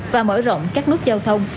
và mở rộng các nút giao thông